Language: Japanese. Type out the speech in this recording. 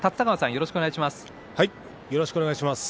よろしくお願いします。